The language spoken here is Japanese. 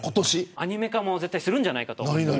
アニメ化もするんじゃないかと。